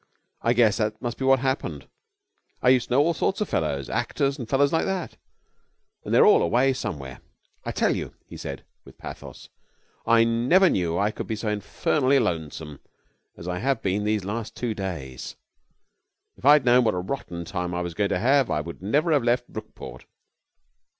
I guess that must be what happened. I used to know all sorts of fellows, actors and fellows like that, and they're all away somewhere. I tell you,' he said, with pathos, 'I never knew I could be so infernally lonesome as I have been these last two days. If I had known what a rotten time I was going to have I would never have left Brookport.'